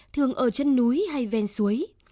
thường ở chân núi hay ven suối